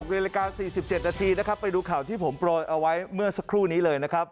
นาฬิกา๔๗นาทีนะครับไปดูข่าวที่ผมโปรยเอาไว้เมื่อสักครู่นี้เลยนะครับ